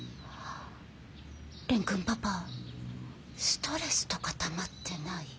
蓮くんパパストレスとかたまってない？